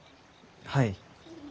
はい。